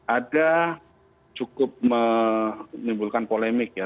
ada cukup menimbulkan polemik ya